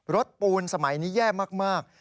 ปูนสมัยนี้แย่มาก